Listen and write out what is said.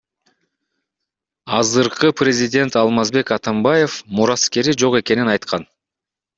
Азыркы президент Алмазбек Атамбаев мураскери жок экенин айткан.